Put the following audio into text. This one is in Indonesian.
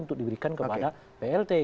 untuk diberikan kepada plt